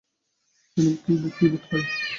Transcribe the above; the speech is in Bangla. কি বােধ হয়?